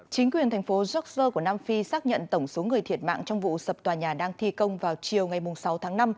chính quyền thành phố yorkshire của nam phi xác nhận tổng số người thiệt mạng trong vụ sập tòa nhà đang thi công vào chiều ngày sáu tháng năm